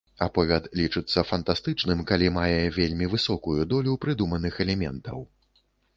Аповяд лічыцца фантастычным, калі мае вельмі высокую долю прыдуманых элементаў.